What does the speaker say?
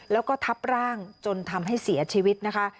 แล้วก็ทับร่างจนทำให้เสียชีวิตนะคะ